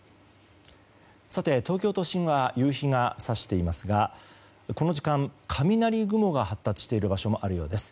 さて、東京都心は夕日が差していますがこの時間、雷雲が発達している場所もあるようです。